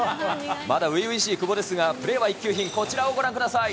まだ初々しい久保ですが、プレーは一級品、ご覧ください。